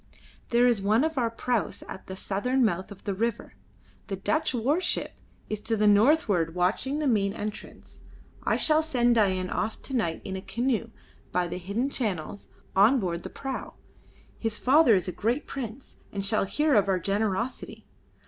"There is one of our praus at the southern mouth of the river. The Dutch warship is to the northward watching the main entrance. I shall send Dain off to night in a canoe, by the hidden channels, on board the prau. His father is a great prince, and shall hear of our generosity.